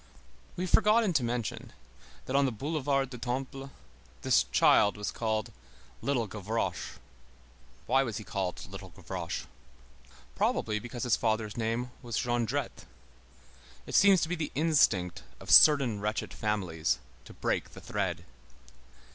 We have forgotten to mention, that on the Boulevard du Temple this child was called Little Gavroche. Why was he called Little Gavroche? Probably because his father's name was Jondrette. It seems to be the instinct of certain wretched families to break the thread.